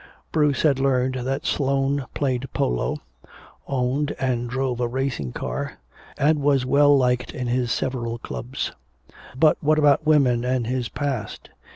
Bruce had learned that Sloane played polo, owned and drove a racing car and was well liked in his several clubs. But what about women and his past?